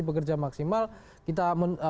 bekerja maksimal kita